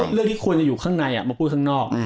เรื่องที่ควรจะอยู่ข้างในมาพูดข้างนอก